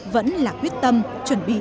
vẫn là quyết tâm chuẩn bị